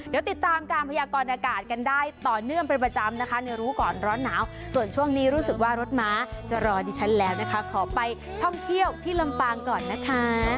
เดี๋ยวติดตามการพยากรอากาศกันได้ต่อเนื่องเป็นประจำนะคะในรู้ก่อนร้อนหนาวส่วนช่วงนี้รู้สึกว่ารถม้าจะรอดิฉันแล้วนะคะขอไปท่องเที่ยวที่ลำปางก่อนนะคะ